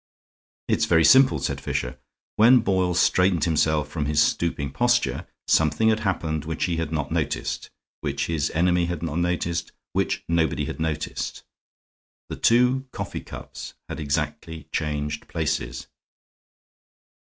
"It is very simple," said Fisher, "when Boyle straightened himself from his stooping posture, something had happened which he had not noticed, which his enemy had not noticed, which nobody had noticed. The two coffee cups had exactly changed places."